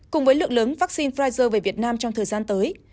cùng với lượng lớn vaccine pfizer về việt nam trong thời gian tới